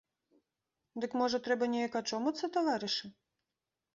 Дык можа трэба неяк ачомацца, таварышы?